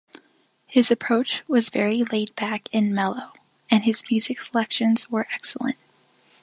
His approach was very laid-back and mellow, and his music selections were excellent.